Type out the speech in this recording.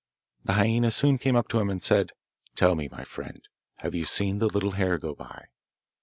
The hyaenas soon came up to him and said, 'Tell me, friend, have you seen the little hare go by?